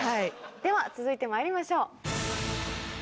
では続いてまいりましょう。